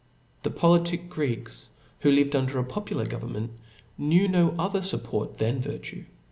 The politic Greeks, who lived under a popular government, knew no other fupport than virtue.